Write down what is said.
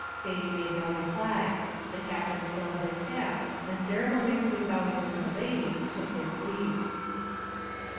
Thady made no reply; the Captain twirled his hat, and ceremoniously bowing to the lady, took his leave.